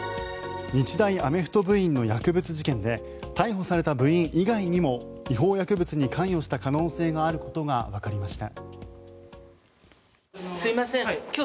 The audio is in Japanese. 日大アメフト部員の薬物事件で逮捕された部員以外にも違法薬物に関与した可能性があることがわかりました。